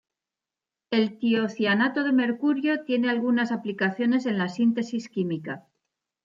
El tiocianato de mercurio tiene algunas aplicaciones en la síntesis química.